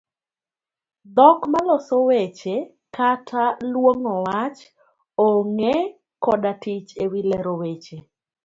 Dhok ma loso weche kata luong'o wach onge' koda tich ewi lero weche.